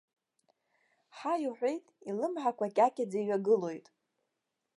Ҳаи уҳәеит, илымҳақәа кьакьаӡа иҩагылоит.